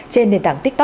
trên nền tảng tiktok